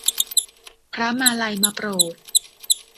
พระมาลัยมาโปรด